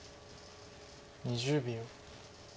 ２０秒。